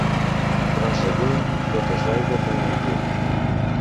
Trons de lluny, gotes d'aigua com el puny.